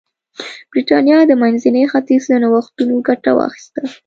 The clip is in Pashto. برېټانیا د منځني ختیځ له نوښتونو ګټه واخیسته.